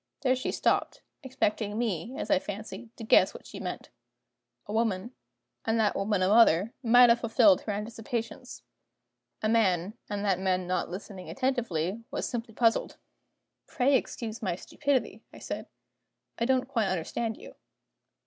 There she stopped: expecting me, as I fancied, to guess what she meant. A woman, and that woman a mother, might have fulfilled her anticipations. A man, and that man not listening attentively, was simply puzzled. "Pray excuse my stupidity," I said; "I don't quite understand you."